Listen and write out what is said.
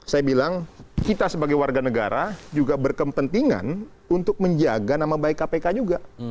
saya bilang kita sebagai warga negara juga berkepentingan untuk menjaga nama baik kpk juga